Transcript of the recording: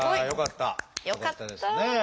よかった！よかったですね。